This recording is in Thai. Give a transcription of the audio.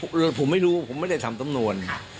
ผมว่ายังแต่ผมไม่รู้เนี่ยผมไม่ได้ทำสำนวน